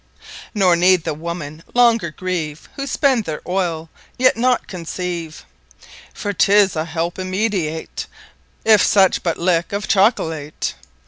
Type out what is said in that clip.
Nor need the Women longer grieve Who spend their Oyle, yet not conceive, For 'tis a Helpe Immediate, If such but Lick of Chocolate.